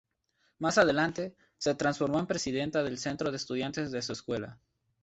Más adelante se transformó en presidenta del Centro de Estudiantes de su escuela.